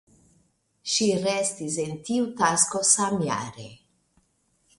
Ŝi restis en tiu tasko samjare.